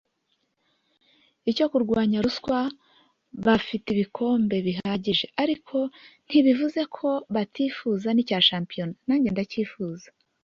icyo kurwanya Ruswa… bafite ibikombe bihagije ariko ntibivuze ko batifuza n’icya shampiyona nanjye ndacyifuza